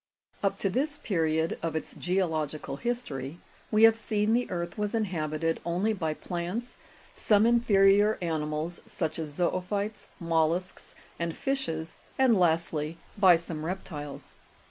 33. Up to this period of its geological history, we have seen the earth was inhabited only by plants, some inferior animals, such as zo'ophytes, mollusks and fishes, and lastly, by some reptiles.